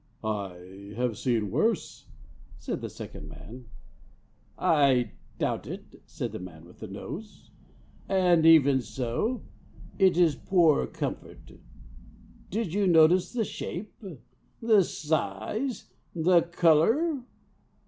"I have seen worse," said the second man. "I doubt it," said the man with the nose; "and even so, it is poor comfort. Did you notice the shape? the size? the colour?